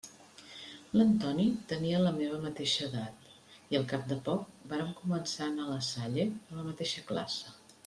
L'Antoni tenia la meva mateixa edat, i al cap de poc vàrem començar a anar a la Salle a la mateixa classe.